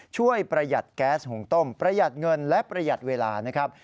ประหยัดแก๊สหุงต้มประหยัดเงินและประหยัดเวลานะครับ